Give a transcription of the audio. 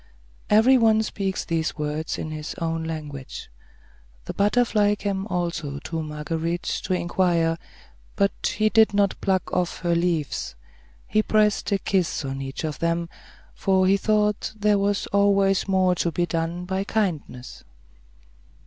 Every one speaks these words in his own language. The butterfly came also to Marguerite to inquire, but he did not pluck off her leaves; he pressed a kiss on each of them, for he thought there was always more to be done by kindness.